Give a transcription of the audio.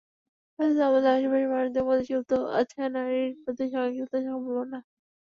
অর্থাৎ, আমাদের আশপাশের মানুষদের মধ্যেই সুপ্ত আছে নারীর প্রতি সহিংসতার সম্ভাবনা।